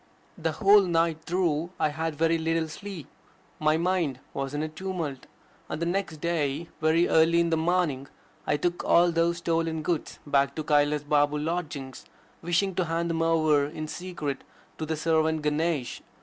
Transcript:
The whole night through I had very little sleep. My mind was in a tumult. On the next day, very early in the morning, I took all those stolen goods back to Kailas Babe's lodgings, wishing to hand them over in secret to the servant Ganesh.